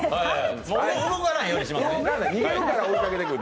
動かないようにします。